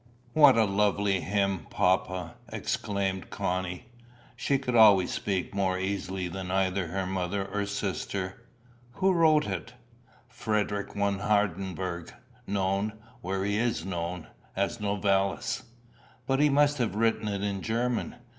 "What a lovely hymn, papa!" exclaimed Connie. She could always speak more easily than either her mother or sister. "Who wrote it?" "Friedrich von Hardenberg, known, where he is known, as Novalis." "But he must have written it in German.